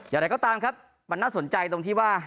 อย่างไรก็ตามครับมันน่าสนใจตรงที่ว่า